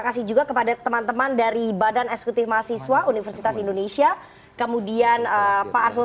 kasih juga kepada teman teman dari badan eksekutif mahasiswa universitas indonesia kemudian pak arsul